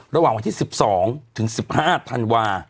ระหว่างวันที่๑๒ถึง๑๕ธันวา